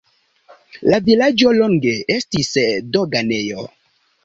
La vilaĝo longe estis doganejo.